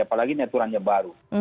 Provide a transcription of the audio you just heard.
apalagi aturannya baru